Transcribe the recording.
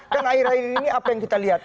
dan akhir akhir ini apa yang kita lihat